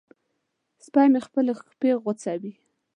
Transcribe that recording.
سپی مې خپلې پښې غځوي.